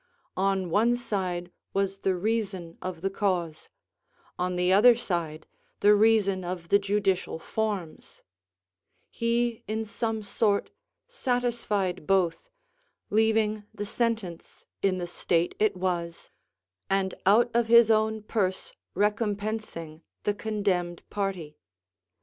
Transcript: On one side was the reason of the cause; on the other side, the reason of the judicial forms: he in some sort satisfied both, leaving the sentence in the state it was, and out of his own purse recompensing the condemned party.